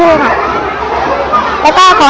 น้องน้องได้อยู่ทั้งส่วน